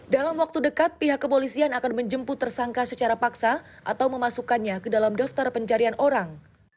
dalam waktu dekat pihak kepolisian akan menjemput tersangka secara paksa atau memasukkannya ke dalam daftar pencarian orang